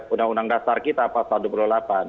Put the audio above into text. undang undang dasar kita pasal dua ribu delapan belas